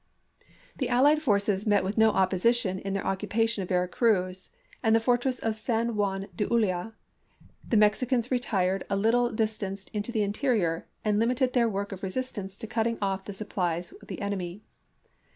The allied forces met with no opposition in their occupation of Vera Cruz and the Fortress of San Juan de Ulloa; the Mexicans retu ed a httle dis tance into the interior and limited their work of resistance to cutting off the supplies of the enemy.